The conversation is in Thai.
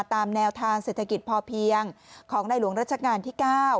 ตามแนวทางเศรษฐกิจพอเพียงของในหลวงรัชกาลที่๙